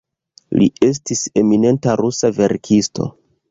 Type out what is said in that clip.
Li estis eminenta rusa verkisto.